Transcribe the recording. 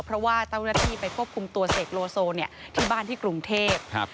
เพราะว่าเจ้าหน้าที่ไปควบคุมตัวเสกโลโซเนี่ยที่บ้านที่กรุงเทพ